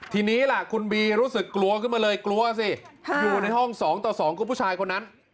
ทีนี้ล่ะคุณบีรู้สึกกลัวขึ้นมาเลยกลัวสิอยู่ในห้อง๒ต่อ๒คือผู้ชายคนนั้น